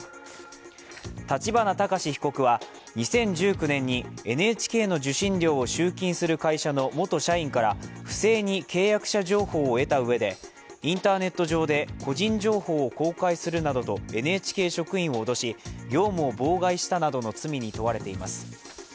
立花孝志被告は２０１９年にＮＨＫの受信料を集金する会社の元社員から、不正に契約者情報を得たうえで、インターネット上で、個人情報を公開するなどとＮＨＫ職員を脅し、業務を妨害したなどの罪に問われています。